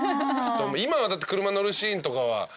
今はだって車乗るシーンとかは？